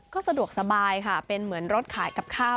ก็สะดวกสบายค่ะเป็นเหมือนรถขายกับข้าว